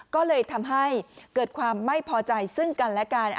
ก็เลยทำให้เกิดความไม่พอใจซึ่งกันและกัน